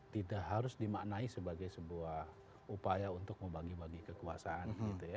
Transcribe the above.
tidak harus dimaknai sebagai sebuah upaya untuk membagi bagi kekuasaan